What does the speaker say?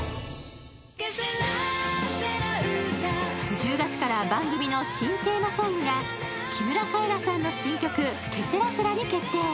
１０月から番組の新テーマソングが木村カエラの新曲「ケセラセラ」に決定。